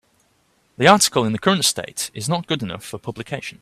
The article in the current state is not good enough for publication.